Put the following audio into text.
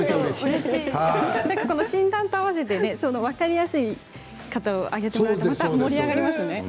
診断と合わせて分かりやすい方を挙げてもらうと盛り上がりますね。